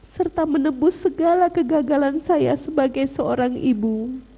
serta menebus segala kegagalan saya sebagai seorang ibu